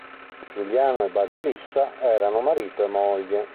Giuliano e Basilissa erano marito e moglie.